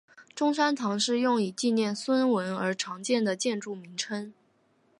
中山堂是用以纪念孙文而常见的建筑名称。